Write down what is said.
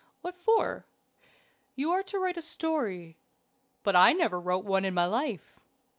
"What for?" "You are to write a story." "But I never wrote one in my life."